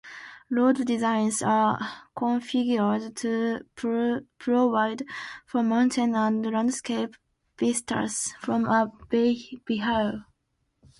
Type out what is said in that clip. Road designs are configured to provide for mountain and landscape vistas from a vehicle.